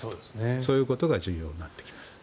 そういうことが重要になってきます。